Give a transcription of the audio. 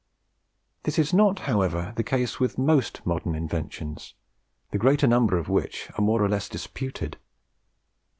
This is not, however, the case with most modern inventions, the greater number of which are more or less disputed.